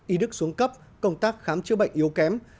y đức xuống cấp công tác khám chữa bệnh yếu kém